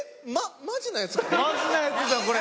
マジなやつじゃんこれ。